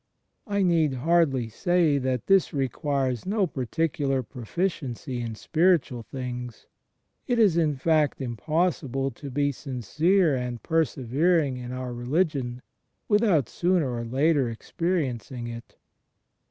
(I need hardly say that this requires no particular proficiency in spiritual things. It is, in fact, impossible to be sincere and persevering in our religion, without sooner or later experiencing it.)